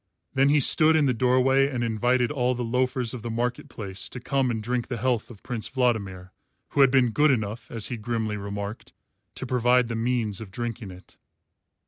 Then he stood in the doorway and invited all the loafers of the market place to come and drink the health of Prince Vladimir, who had been good enough, as he grimly remarked, to provide the means of drinking it.